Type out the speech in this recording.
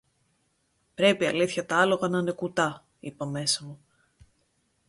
Πρέπει αλήθεια τ' άλογα να είναι κουτά, είπα μέσα μου.